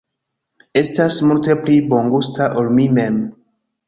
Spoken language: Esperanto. Estas multe pli bongusta ol mi mem